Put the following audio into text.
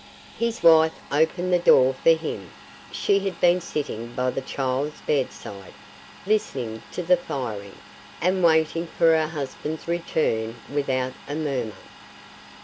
His wife opened the door for him. She had been sitting by the child's bedside, listening to the firing, and waiting for her husband's return without a murmur.